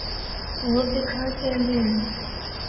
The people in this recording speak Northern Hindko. ہور دکھنڑا چہندے ہن۔